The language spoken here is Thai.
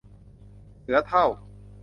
เสือเฒ่า